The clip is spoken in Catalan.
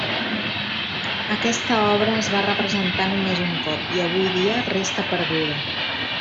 Aquesta obra es va representar només un cop, i avui dia resta perduda.